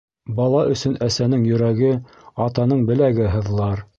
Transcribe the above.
Бала өсөн әсәнең йөрәге, атаның беләге һыҙлар.